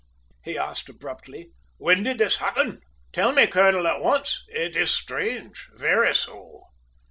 He asked abruptly, "When did this happen? Tell me, colonel, at once. It is strange very so!"